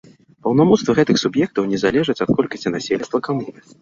Паўнамоцтвы гэтых суб'ектаў не залежаць ад колькасці насельніцтва камуны.